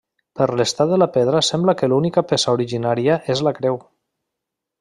Per l'estat de la pedra sembla que l'única peça originària és la creu.